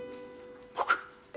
僕？